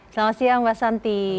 selamat siang mbak santi